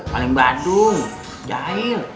paling badung jahil